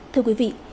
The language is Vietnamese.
thưa quý vị